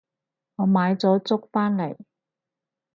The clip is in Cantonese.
我買咗粥返嚟